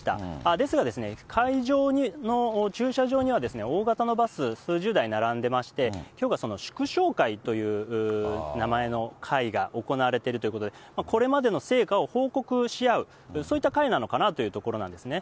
ですが、会場の駐車場には大型のバス数十台並んでまして、きょうがその祝勝会という名前の会が行われているということで、これまでの成果を報告し合う、そういった会なのかなというところなんですね。